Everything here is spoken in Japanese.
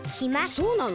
そうなの？